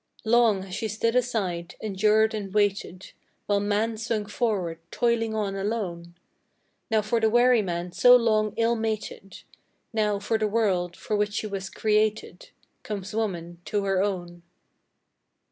Long has she stood aside, endured and waited, While man swung forward, toiling on alone; Now, for the weary man, so long ill mated, Now, for the world for which she was created, Comes woman to her own.